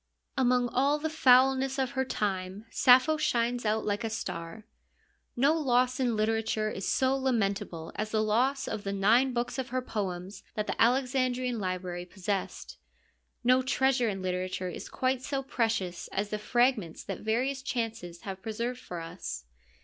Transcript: Among all the foulness of her time Sappho shines out like a star. No loss in literature is so lamentable as the loss of the nine books of her poems that the 40 FEMINISM IN GREEK LITERATURE Alexandrian library possessed ; no treasure in litera ture is quite so precious as the fragments that various chances have preserved for us.